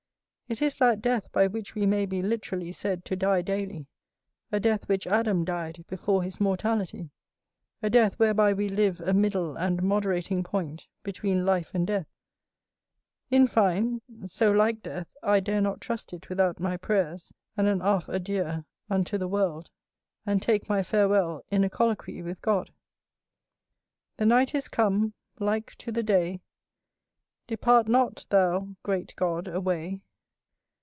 It is that death by which we may be literally said to die daily; a death which Adam died before his mortality; a death whereby we live a middle and moderating point between life and death. In fine, so like death, I dare not trust it without my prayers, and an half adieu unto the world, and take my farewell in a colloquy with God: The night is come, like to the day; Depart not thou, great God, away.